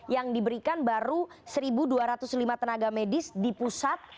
yang diberikan baru satu dua ratus lima tenaga medis di pusat